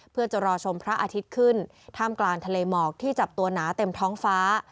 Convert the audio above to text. เพื่อจะรอชมพระอาทิตย์ขึ้นท่ามกลางทะเลหมอกที่จับตัวหนาเต็มท้องฟ้า